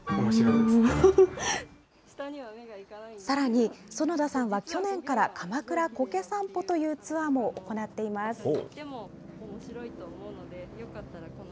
さらに、園田さんは去年から、鎌倉こけ散歩というツアーも行っています。